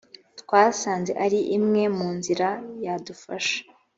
twasanze ari imwe mu nzira yadufasha